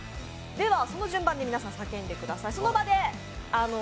その順番で皆さん、叫んでください